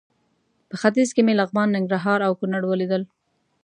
په ختیځ کې مې لغمان، ننګرهار او کونړ ولیدل.